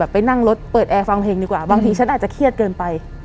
ไปนั่งรถเปิดแอร์ฟังเพลงดีกว่าบางทีฉันอาจจะเครียดเกินไป